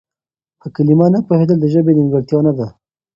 په کلمه نه پوهېدل د ژبې نيمګړتيا نه ده.